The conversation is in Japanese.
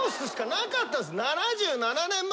７７年前。